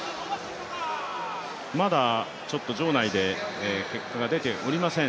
まだ場内で結果が出ておりません。